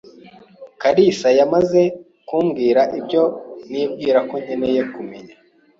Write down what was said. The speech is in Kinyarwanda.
kalisa yamaze kumbwira ibyo nibwira ko nkeneye kumenya.